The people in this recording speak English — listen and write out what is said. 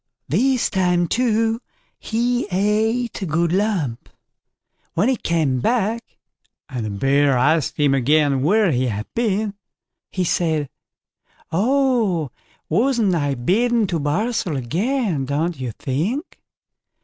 This time too he ate a good lump. When he came back, and the Bear asked him again where he had been, he said: "Oh, wasn't I bidden to barsel again, don't you think."